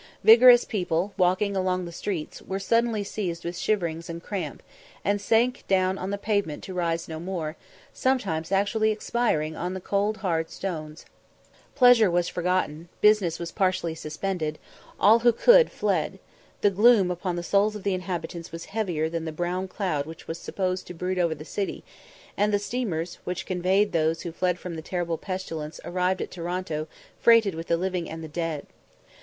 Vigorous people, walking along the streets, were suddenly seized with shiverings and cramp, and sank down on the pavement to rise no more, sometimes actually expiring on the cold, hard stones. Pleasure was forgotten, business was partially suspended; all who could, fled; the gloom upon the souls of the inhabitants was heavier than the brown cloud which was supposed to brood over the city; and the steamers which conveyed those who fled from the terrible pestilence arrived at Toronto freighted with the living and the dead.